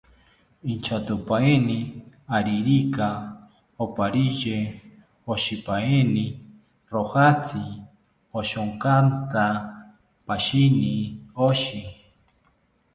Inchatopaeni aririka oparye oshipaeni, rojatzi oshokanta pashini oshi